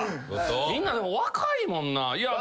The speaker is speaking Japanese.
みんな若いもんな。